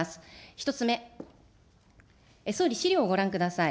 １つ目、総理、資料をご覧ください。